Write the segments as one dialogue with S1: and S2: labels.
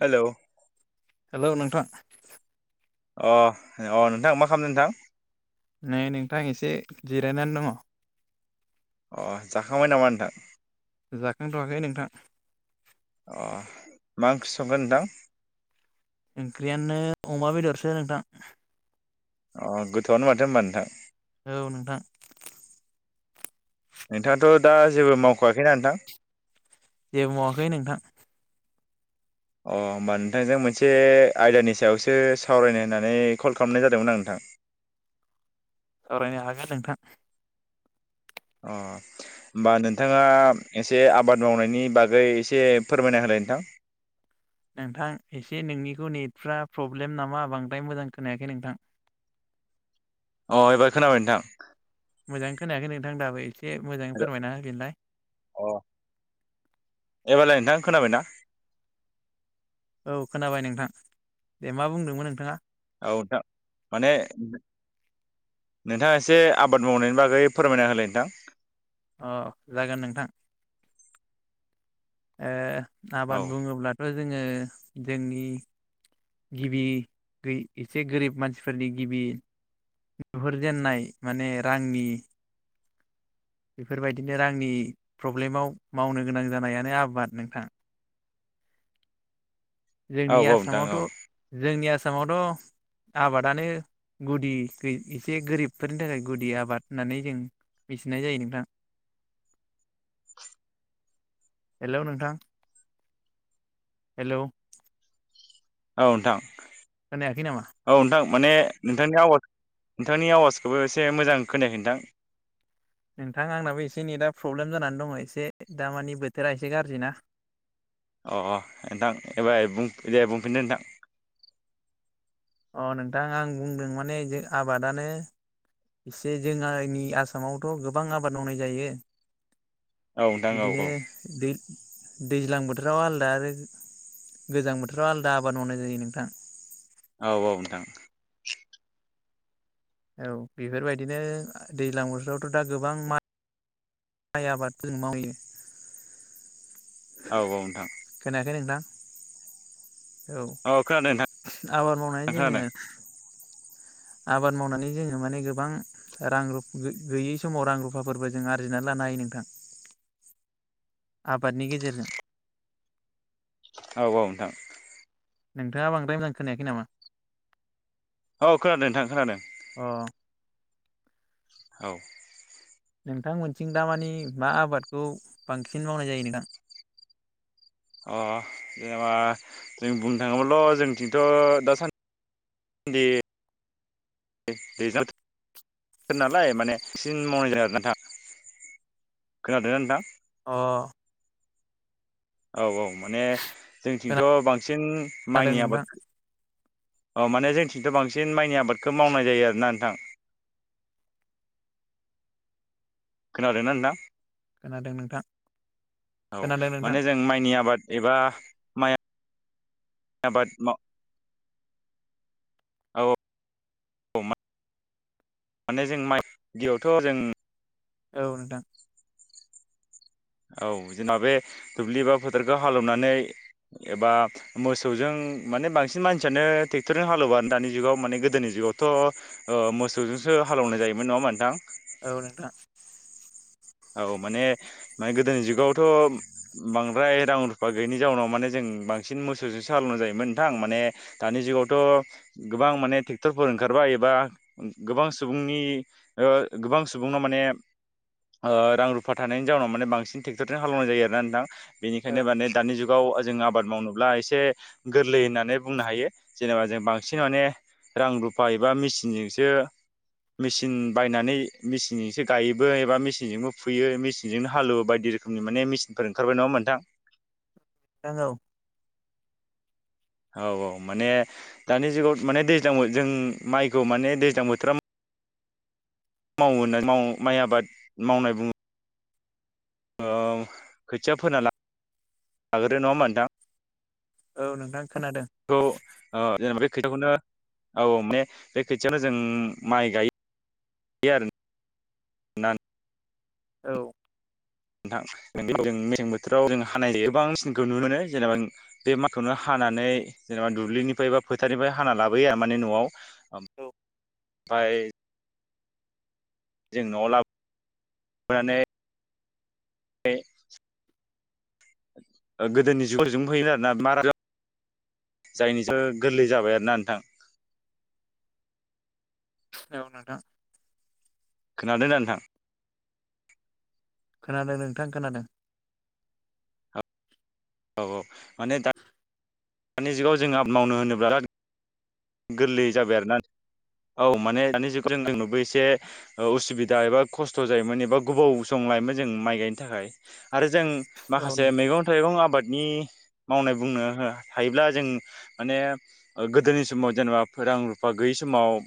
S1: Hello
S2: हेल' नोंथां
S1: अ अ नोंथां मा खालामदों नोंथां?
S2: नै नोंथां एसे जिरायनानै दङ।
S1: अ जाखांबाय नामा नोंथां?
S2: जाखांथ'वाखै नोंथां।
S1: अ मा ओंख्रि संखो नोंथां?
S2: ओंख्रियानो अमा बेदरसो नोंथां।
S1: अ गोथौआवनो माथो होनोमबा नोंथां?
S2: औ नोंथां।
S1: नोंथाङाथ' दा जेबो मावख'वाखैना नोंथां?
S2: जेबो मावाखै नोंथां।
S1: अ होमबा नोंथांजों मोनसे आयदानि सायावसो सावरायनो होननानै कल खालामनाय जादोंमोन आं नोंथां। [inaudible]
S2: सावरायनो हागोन नोंथां।
S1: अ होमबा नोंथाङा एसे आबाद मावनायनि बागै एसे फोरमायना होलाय? नोंथां
S2: नोंथां एसे नोंनिखौ नेटफ्रा प्रब्लेम नामा बांद्राय मोजां खोनायाखै नोंथां।
S1: अ एबार खोनाबाय नोंथां
S2: मोजां खोनायाखै नोंथां दाबो मोजाङै फोरमायना होफिनलाय
S1: अ एबारलाय नोंथां खोनाबायना [inaudible]
S2: औ खोनाबाय नोंथां दे मा बुंदोंमोन नोंथाङा
S1: औ नोंथां माने नोंथाङा एसे आबाद मावनायनि बागै फोरमायना होलाय नोंथां?
S2: अ जागोन नोंथां ओ
S1: औ
S2: आबाद बुङोब्लाथ' जोङो जोंनि गिबि एसे गोरिब मानसिफोरनि गिबि नुहुरजेननाय माने रांनि बेफोरबायदिनो रांनि प्रब्लेमाव मावनो गोनां जानायानो आबाद नोंथाङा
S1: [inaudible] औ
S2: जोंनि
S1: औ नोंथां औ
S2: आसामावथ' जोंनि आसामावथ' आबादानो गुदि एसे गोरिबफोरनि थाखाय गुदि आबाद होननानै जों बि नाय जायो नोंथां हेल' नोंथां हेल'
S1: औ नोंथां
S2: खोनायाखै नामा?
S1: औ नोंथां माने नोंथांनि आवाज नोंथांनि आवाजखौबो एसे मोजां खोनायाखै नोंथां
S2: नोंथां आंनाबो एसे नै दा प्रब्लेम जानानै दङ एसे दा मानि बोथोरा एसे गाज्रि ना।
S1: अ नोंथां एबार दे बुंफिनदो नोंथां
S2: अ नोंथां आं बुंदों माने जे आबादानो एसे जोंहानि आसामावथ' गोबां आबाद मावनाय जायो।
S1: नोंथां औ नोंथां औ
S2: बिदिनो दै दैज्लां बोथोराव आलादा आरो गोजां बोथोराव आलादा आबाद मावनाय जायो नोंथां।
S1: औ औ नोंथां
S2: औ बेफोरबायदिनो दैज्लां बोथोरावथ' दा गोबां मा इ आबाद जों मावो।
S1: औ औ नोंथां
S2: खोनायाखै नोंथां औ
S1: खोनादों नोंथां
S2: आबाद मावनानै
S1: खोनादों
S2: जोङो। आबाद मावनानै जोङो माने गोबां रां रु गैयै समाव रां रुफाफोरबो जों आरजिनानै लानो। नायै नोंथां
S1: [inaudible]
S2: आबादनि गेजेरजों
S1: औ औ नोंथां।
S2: नोंथाङा बांद्राय मोजां खोनायाखै नामा?
S1: औ खोनादों नोंथां खोनादों।
S2: अ
S1: औ
S2: नोंथांमोनथिं दाामानिे मा आबादखौ बांसिन मावनाय जायो नोंथां?
S1: अ जेनबा जों बुंनो थाङोमोनल' जोंथिंथ' दासान दि बे [unintelligible] नालाय माने सिन मावनायदों आरो नोंथा खोनादों नोंथां।
S2: अ
S1: औ औ माने जोंथिंथ' बांसिन
S2: खोनादों
S1: माइनि
S2: नोंथां
S1: आबाद अ माने जोंथिंथ' बांसिन माइनि आबादखौ मावनाय जायो आरोना नोंथां। [inaudible] खोनादोंना दा?
S2: खोनादों नोंथां।
S1: औ
S2: खोनादों नोंथां
S1: माने जों माइनि आबाद एबा माइ आबाद माव औ औ माने जों माइ दैयावथ' जों
S2: औ नोंथां
S1: औ जोंना बे दुब्लि बा फोथारखौ हालेवनानै एबा मोसौजों माने बांसिन मानसियानो ट्रेक्टरजों हालेवानो दानि जुगाव माने गोदोनि जु गावथ' मोसौजोंसो हालौवनाय जायोमोन नङा मोनथां
S2: औ नोंथां
S1: औ माने मे गोदोनि जुगावथ' बांद्राय रां रुफा गैयैनि जाउनाव माने जोङो बांसिन मोसौसो साल'नाय जायोमोन नोंथां माने दानि जुगावथ गोबां माने ट्रेक्टरफोर ओंखार खारबा एबा गोबां सुबुंनि गोबां सुबुंनि माने रां रुफा थानायनि जाउनाव माने बांसिन ट्रेक्टरजों हालवनाय जायोना आरो नोंथां बेनिखायनो माने दानि जुग गाव जों आबाद मावनोब्ला एसे गोरलै होननानै बुंनो हायो जेनेबा जों बांसिन माने रां रुफा एबा मेचिनजोंसो मेचिन बायनानै मेचनजोंसो गायोबो एबा मेचिन मेचिनजोंबो फुयो मेचिनजोंनो हालुव बायदि रोखोमनि माने मेचिनफोर ओंखारबाय नङा होनबा नोंथां?
S2: नोंगौ
S1: औ औ माने दानि जुगाव माने दैज्लांयाव जों माइखौ माने दैज्लां बोथोरा माव माइ आबाद मावनाय बुङो। खोथिया फोना लाग्रो नङा होनबा नोंथां।
S2: औ नोंथां
S1: [unintelligible]
S2: खोनादों
S1: खोथाखौनो औ माने बे खोथियावनो जों माइ गायो [unintelligible]
S2: औ
S1: नोंथां जों मेसें बोथोराव जों हानाय गोबांसिनखौ नुनो मोनो जेनेबा बे माखौनो हा नानै जेनेबा दुब्लिनिफ्राय बा फोथारनिफ्राय हाना लाबोया माने न'आव। फाय जों न'आव लाबो बोनानै गोदोनि जुग फैयोन आरोना मार जायनिसो गोरलै जाबाय आरोना नोंथां
S2: औ नोंथां
S1: खोनादों दा नोंथां
S2: खोनादों नोंथां खोनादों
S1: औ औ माने दा दानि जुगाव जोङो आबाद मावनो होनोबा बिराद गोरलै जाबाय आरोना औ माने दानि जुग जों बो एसे उसुबिदा एबा खस्थ' जायोमोन एबा गोबाव सम लायोमोन जों माइ गायनो थाखाय आरो जों
S2: औ
S1: माखासे मैगं थाइगं आबाद नि मावनाय बुंनो हायोब्ला जों माने गोदोनि समाव जेनेबा रां रुफा गैयि समाव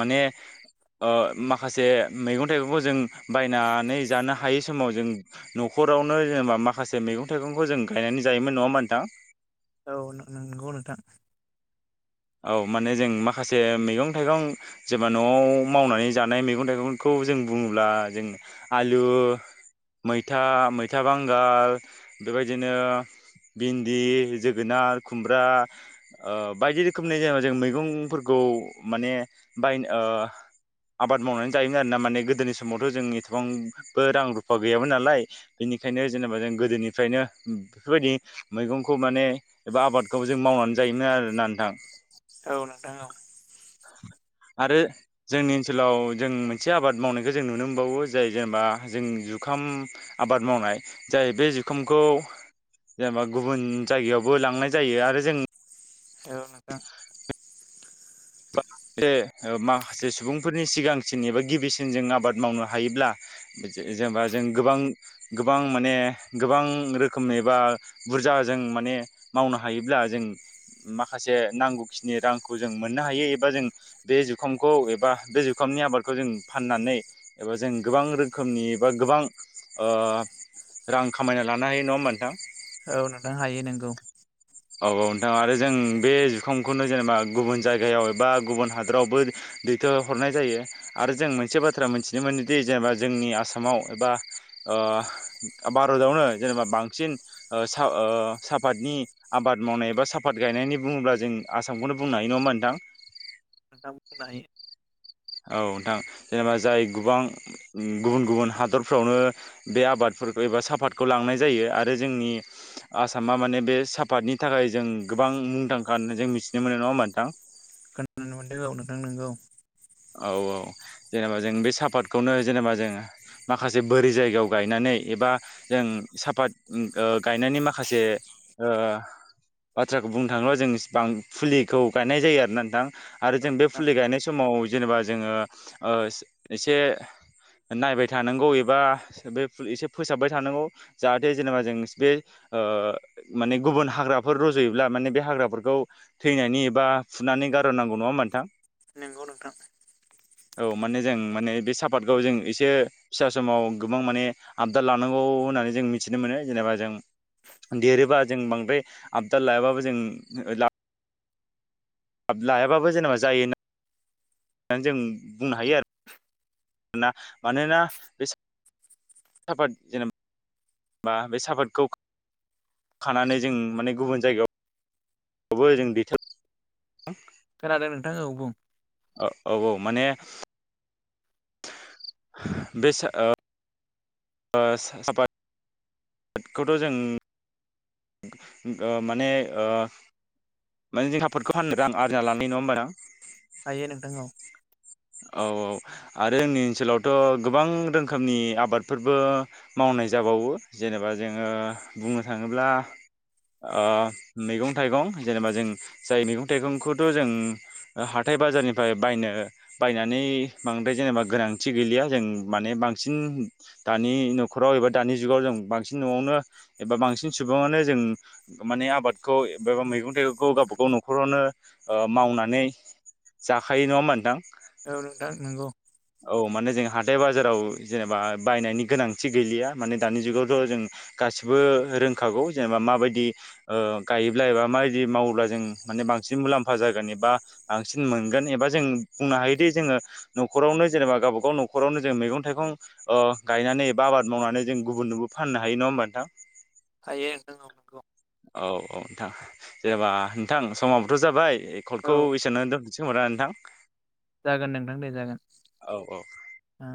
S1: माने ओ माखासे मैगं थाइगंखौ जों बायनानै जानो हायै समाव जों न'खराव खरावनो जेनेबा माखासे मैगं थाइगंखौ जों गायनानै जायोमोन नङा होमबा नोंथां
S2: औ नंगौ नोंथां
S1: औ माने जों माखासे मैगं थाइगं जेनबा न'आव मावनानै जानाय मैगं थाइगंखौ जों बुङोब्ला जों आलु मैथा मैथा बांगाल बेबायदिनो भिन्दि जोगोनार खुमब्रा ओ बायदि रोखोम रोखोमनि जेनेबा जों मैगंफोरखौ माने बायनो आबाद मावनानै जायोमोन आरोना माने गोदोनि समावथ' जों एसेबांबो रां रुफा गैयामोन नालाय बेनिखायनो जेनेबा जों गोदोनिफ्रायनो बेफोरबायदि मैगंखौ माने एबा आबादखौ जों मावनानै मोनजायोमोन आरोना नोंथां
S2: औ नोंथां औ
S1: [inaudible] आरो जोंनि ओनसोलाव जों मोनसे आबाद मावनायखौ जों नुनो मोनबावो जाय जेनेबा जों ज जुखाम आबाद मावनाय जाय बे जुखामखौ जेनेबा गुबुन जायगायावबो लांनाय जायो आरो जों
S2: औ नोंथां
S1: माखासे सुबुंफोरनि सिगांसिन एबा गिबिसिन जों आबाद मावनो हायोब्ला जेनेबा जों गोबां गोबां माने गोबां रोखोमनिबा बुरजा जा जों माने मावनो हायोब्ला जों माखासे नांगौखिनि रांखौ जों मोन नो हायो एबा जों जुखामखौ बे जुखामनि आबादखौ जों फाननानैबा जों गोबां रोखोमनि बा गोबां ओ रां खामायना लानो हायो नङा होमबा नोंथां
S2: औ नोंथां हायो नोंगौ
S1: औ औ नोंथां आरो जों बे जुखामखौनो जेनेबा गुबुन जायगायाव एबा गुबुन हादरावबो दैथ'हरनाय जायो आरो जों मोनसे बाथ्रा मिथिनो मोनोदि जेनेबा जोंनि आसामाव एबा ओ भारतावनो जेनेबा बांसिन सा सापातनि आबाद मावनाय एबा साफात गायनायनि बुङोब्ला जों आसामखौनो बुंनो हायो नङा होनबा
S2: नोंथां
S1: नोंथां
S2: हायो
S1: औ नोंथां जेनेबा जाय गोबां गुबुन गुबुन हादरफ्रावनो बे आबाद फोर एबा सापातखौ लांनाय जायो आरो जोंनि आसामा माने बे सापातनि थाखाय जों। गोबां मुंदांखा होननानै जों मिथिनो मोनो नङा होनबा नोंथां।
S2: खोनानो मोनदों औ नोंथां नोंगौ।
S1: औ औ जेनेबा जों बे सापातखौनो जेनेबा जों माखासे बोरि जायगायाव गायनानै। एबा जों साफात गायनायनि माखासे। बाथ्राखौ बुंनो थाङोब्ला जों फुलिखौ गायनाय जायो आरोना नोंथां। आरो जों बे
S2: नोंथां
S1: फुलि गायनाय समाव जेनेबा जोङो ओ एसे। नायबाय थानांगौ एबा बे एसे फोसाबबाय थानांगौ जाहाथे जेनेबा जों बे। ओ माने गुबुन हाग्राफोर रज'योब्ला माने बे हाग्राफोरखौ थैनायनि एबा फुनानै। गार'नांगौ नङा होमबा नोंथां?
S2: नोंगौ नोंथां।
S1: औ माने जों माने बे सापातखौ जों इसे फिसा समाव गोबां माने आबदाल लानांगौ। होननानै जों मिथिनो मोनो जेनेबा जों। देरोबा जों बांद्राय आपडा लायाबाबो जों। हाब लायाबाबो जेनेबा जायोना? होननानै जों बुंनो हायो आरो। ना मानोना बे साफाद जेनेब बा बे साफातखौ खानानै जों माने गुबुन जायगायाव। खौबो जों दैथा
S2: खोनादों नोंथां औ बुं
S1: ओ औ औ माने। बे सा ओ ओ सा सापाद ट खौथ' जों। ओ माने ओ माने जों सापादखौ फाननो रां आरजिना लानि नङा होमबा?
S2: हायो नोंथां औ
S1: औ औ आरो जोंनि ओनसोलावथ' गोबां रोखोमनि आबादफोरबो मावनाय जा जाबावो जेनेबा जोङो बुंनो थाङोब्ला। ओ मैगं-थाइगं, जेनेबा जों जाय मैगं थाइगंखौथ' जों हाथाय- बाज जारनिफ्राय बायनो बायनानै बांद्राय जेनेबा गोनांथि गैलिया जों माने बांसिन। दानि न'खराव एबा दानि जुगाव जों बांसिन न'आवनो एबा बांसिन सुबुङानो। जों माने आबादखौ बा मैगं-थाइगंखौ गावबागाव न'खरावनो ओ मावनानै। जाखायो नङा ओमबा नोंथां?
S2: औ नोंथां नोंगौ।
S1: औ माने जों हाथाय बाजाराव जेनेबा बायनायनि गोनांथि गैलिया माने दानि जुगावथ' जों। गासिबो रोंखागौ। जेनेबा माबायदि ओ गायोब्ला एबा माबायदि मावोब्ला जों माने बांसिन मुलाम्फा जागोन एबा। बांसिन मोनगोन एबा जों बुंनो हायोदि जोङो नख'रावनो जेनेबा गावबा गाव न'खरावनो जों मैगं-थाइगं। खौ ओ गायनानै एबा आबाद मावनानै जों गुबुननोबो फाननो हायो नङा होमबा नोंथां।
S2: हायो नोंथां।
S1: औ औ नोंथां जेनेबा नोंथां समाबोथ' जाबाय
S2: औ
S1: कलखौ एसेआवनो दोन सै खोमा दा नोंथां?
S2: जागोन नोंथां दे जागोन
S1: औ औ
S2: ओ।